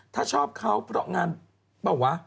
ถ้าชอบเขาเพราะงานเปล่าวะ